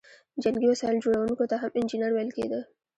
جنګي وسایل جوړوونکو ته هم انجینر ویل کیده.